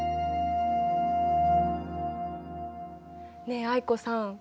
ねえ藍子さん